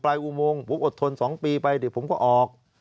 อุโมงผมอดทน๒ปีไปเดี๋ยวผมก็ออก